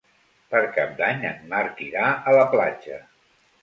Per Cap d'Any en Marc irà a la platja.